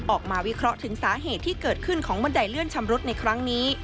วิเคราะห์ถึงสาเหตุที่เกิดขึ้นของบันไดเลื่อนชำรุดในครั้งนี้